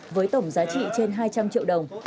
với tổng giá trị trên hai trăm linh triệu đồng